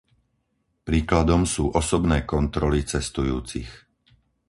Príkladom sú osobné kontroly cestujúcich.